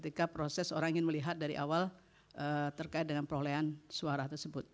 ketika proses orang ingin melihat dari awal terkait dengan perolehan suara tersebut